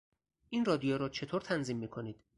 این رادیو را چطور تنظیم میکنید؟